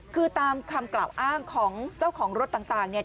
คือตามคำกล่าวอ้างของเจ้าของรถต่างเนี่ย